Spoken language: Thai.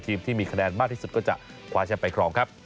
ทีมที่มีคะแนนมากที่สุดก็จะกวาชให้ไปครอง